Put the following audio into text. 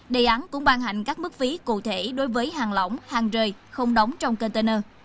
đề án cũng ban hành các mức phí cụ thể đối với hàng lỏng hàng rời không đóng trong container